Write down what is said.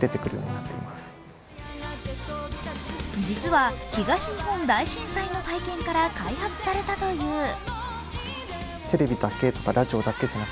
実は東日本大震災の体験から開発されたという。